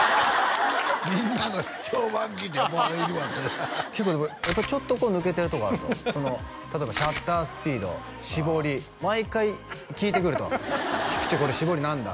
みんなの評判聞いているわって結構やっぱちょっと抜けてるところがあると例えばシャッタースピード絞り毎回聞いてくると「菊池これ絞り何だ？」